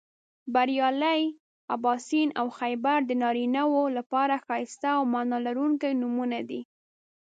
بریال، اباسین او خیبر د نارینهٔ و لپاره ښایسته او معنا لرونکي نومونه دي